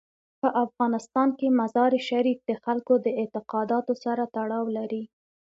په افغانستان کې مزارشریف د خلکو د اعتقاداتو سره تړاو لري.